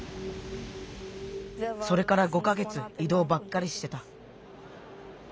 それから５か月いどうばっかりしてた。